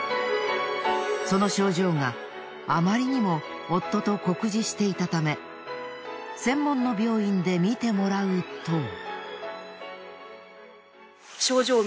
その症状があまりにも夫と酷似していたため専門の病院で診てもらうと。